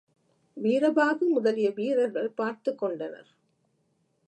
வீரபாகு முதலிய வீரர்கள் பார்த்துக் கொண்டனர்.